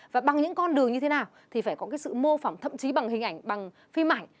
và bằng những con đường như thế nào thì phải có cái sự mô phỏng thậm chí bằng hình ảnh bằng phim ảnh